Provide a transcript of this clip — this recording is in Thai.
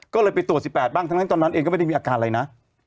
ก็เลยไปตรวจ๑๘บ้างทั้งนั้นตอนนั้นเองก็ไม่ได้มีอาการอะไรนะ